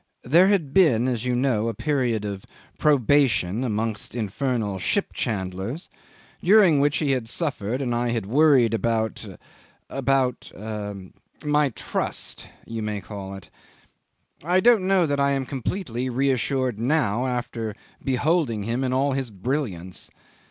There had been, as you know, a period of probation amongst infernal ship chandlers, during which he had suffered and I had worried about about my trust you may call it. I don't know that I am completely reassured now, after beholding him in all his brilliance.